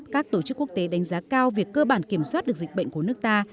các tổ chức quốc tế đánh giá cao việc cơ bản kiểm soát được dịch bệnh của nước ta